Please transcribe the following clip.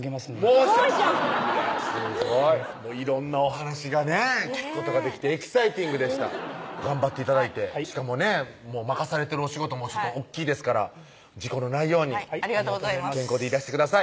モーションいやすごい色んなお話がね聞くことができてエキサイティングでした頑張って頂いてしかもね任されてるお仕事も大っきいですから事故のないように健康でいらしてください